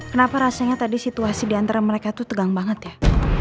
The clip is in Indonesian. kenapa rasanya tadi situasi di antara mereka tuh tegang banget ya